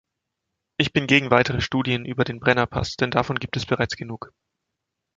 Ich bin gegen weitere Studien über den Brenner-Pass, denn davon gibt es bereits genug.